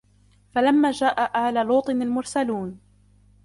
فلما جاء آل لوط المرسلون